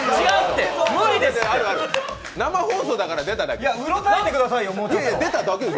生放送だから出ただけです。